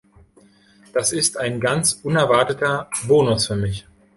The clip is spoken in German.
Das ist ein ganz unerwarteter Bonus für mich.